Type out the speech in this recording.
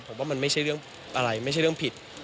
ผมว่ามันไม่ใช่เรื่องอะไรไม่ใช่เรื่องผิด